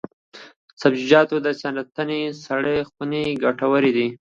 د سبزیجاتو د ساتنې سړې خونې ګټورې دي.